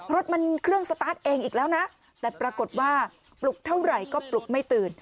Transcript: รถมันเครื่องสตาร์ทเองอีกแล้วนะแต่ปรากฏว่าปลุกเท่าไหร่ก็ปลุกไม่ตื่น